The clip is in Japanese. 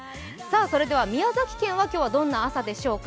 宮崎県は今日はどんな朝でしょうか。